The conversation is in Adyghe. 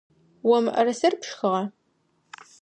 О мыӏэрысэр пшхыгъа?